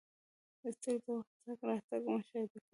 • سترګې د وخت تګ راتګ مشاهده کوي.